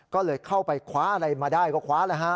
ก็เลยเข้าไปคว้าอะไรมาได้ก็คว้าแล้วฮะ